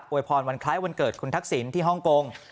วยพรวันคล้ายวันเกิดคุณทักษิณที่ฮ่องกง